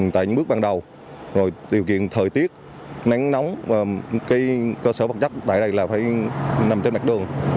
tại những bước ban đầu điều kiện thời tiết nắng nóng và cơ sở vật chất tại đây là phải nằm trên mặt đường